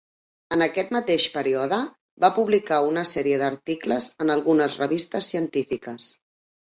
En aquest mateix període, va publicar una sèrie d'articles en algunes revistes científiques.